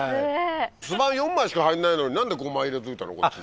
巣板４枚しか入んないのに何で５枚入れといたの？